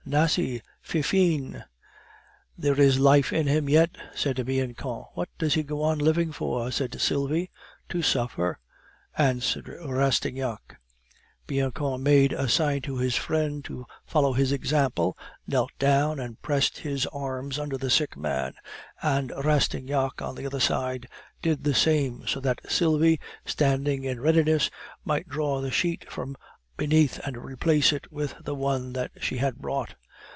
"Nasie! Fifine!" "There is life in him yet," said Bianchon. "What does he go on living for?" said Sylvie. "To suffer," answered Rastignac. Bianchon made a sign to his friend to follow his example, knelt down and pressed his arms under the sick man, and Rastignac on the other side did the same, so that Sylvie, standing in readiness, might draw the sheet from beneath and replace it with the one that she had brought.